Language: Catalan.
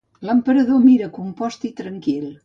L'emperador mira compost i tranquil.